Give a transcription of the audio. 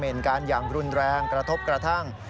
เห็นการอย่างรุนแรงกระทบกระทั่ง